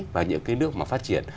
và những nước mà phát triển